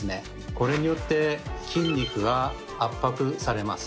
これによって筋肉が圧迫されます。